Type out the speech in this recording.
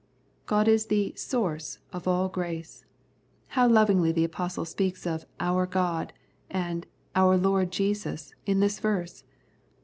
God is the Source of all grace. How lovingly the Apostle speaks of " our God " and " our Lord Jesus " in this verse